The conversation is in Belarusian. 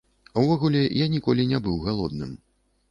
Увогуле, я ніколі не быў галодным.